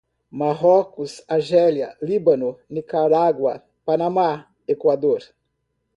Marrocos, Argélia, Líbano, Nicarágua, Panamá, Equador